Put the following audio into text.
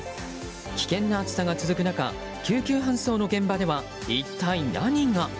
危険な暑さが続く中救急搬送の現場では一体何が。